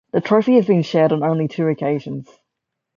The trophy has been shared on only two occasions.